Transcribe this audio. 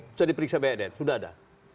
sudah diperiksa bs sudah ada